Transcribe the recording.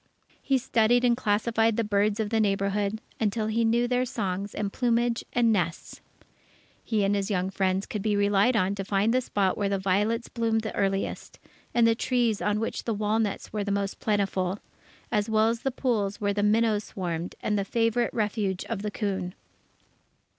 He studied and classified the birds of the neighbourhood, until he knew their songs and plumage and nests. He and his young friends could be relied on to find the spot where the violets bloomed the earliest, and the trees on which the walnuts were most plentiful, as well as the pools where the minnows swarmed, and the favourite refuge of the coon.